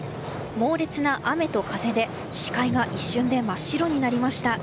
猛烈な雨と風で視界が一瞬で真っ白になりました。